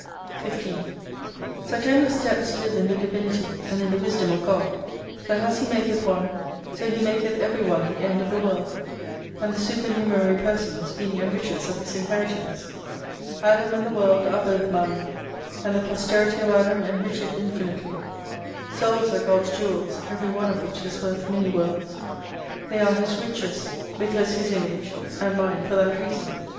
15 Such endless depths live in the Divinity, and in the wisdom of God, that as He maketh one, so He maketh every one the end of the World : and the supernumerary persons being enrichers of his inheritance. Adam and the World are both mine. And the posterity of Adam enrich it infinitely. Souls are God's jewels, every one of which is worth many worlds. They are His riches because His image, and mine for that reason.